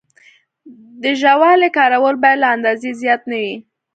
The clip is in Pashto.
د ژاولې کارول باید له اندازې زیات نه وي.